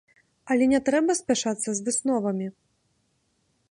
Але не трэба спяшацца з высновамі.